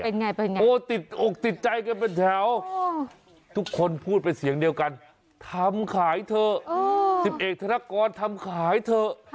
เป็นไงโอ้ติดใจกันเป็นแถวทุกคนพูดเป็นเสียงเดียวกันทำขายเถอะสิบเอกธนกรทำขายเถอะ